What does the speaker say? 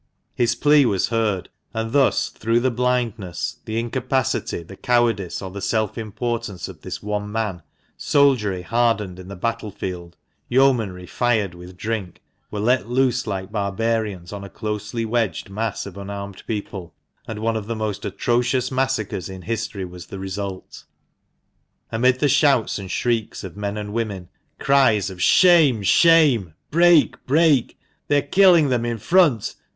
His plea was heard ; and thus through the blindness, the incapacity, the cowardice, or the self importance of this one man, soldiery hardened in the battle field, yeomanry fired with drink, were let loose like barbarians on a closely wedged mass of un armed people, and one of the most atrocious massacres in history was the result. Amid the shouts and shrieks of men and women, cries of "Shame! shame!" "Break! break!" "They are killing them in front